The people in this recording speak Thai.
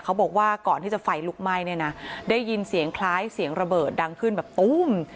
เขาบอกว่าก่อนที่จะไฟลุกไหม้เนี่ยนะได้ยินเสียงคล้ายเสียงระเบิดดังขึ้นแบบตุ้ม